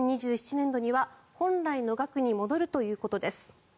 年度には本来の額に戻るということです。